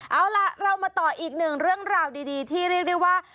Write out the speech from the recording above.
เอาล่ะเรามาต่ออีกหนึ่งเรื่องราวดีที่เรียกได้ว่า